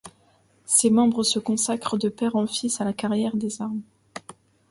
Ses membres se consacrent de père en fils à la carrière des armes.